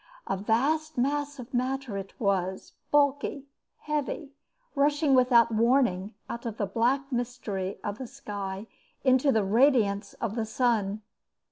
A vast mass of matter it was, bulky, heavy, rushing without warning out of the black mystery of the sky into the radiance of the sun.